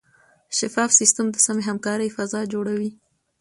شفاف سیستم د سمې همکارۍ فضا جوړوي.